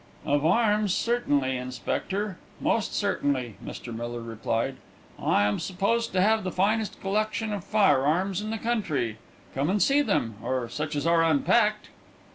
"Of arms, certainly, Inspector, most certainly," Mr. Miller replied. "I am supposed to have the finest collection of firearms in the country. Come and see them, or such as are unpacked."